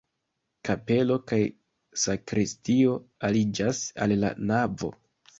Kapelo kaj sakristio aliĝas al la navo.